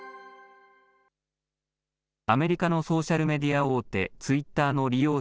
アメリカのソーシャルメディア大手、ツイッターの利用者